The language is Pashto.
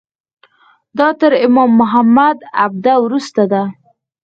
دا تر امام محمد عبده وروسته ده.